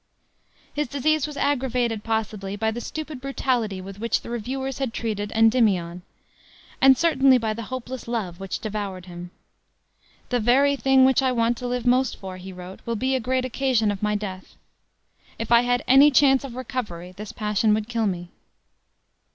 His disease was aggravated, possibly, by the stupid brutality with which the reviewers had treated Endymion; and certainly by the hopeless love which devoured him. "The very thing which I want to live most for," he wrote, "will be a great occasion of my death. If I had any chance of recovery, this passion would kill me."